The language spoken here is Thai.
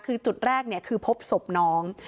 คือจุดแรกคือพบศพน้อง